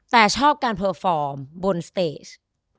แต่ชอบการเพอร์ฟอร์มบนสเตส